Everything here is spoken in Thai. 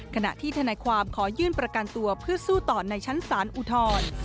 ขณะที่ทนายความขอยื่นประกันตัวเพื่อสู้ต่อในชั้นศาลอุทธร